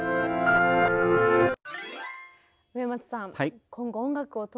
植松さん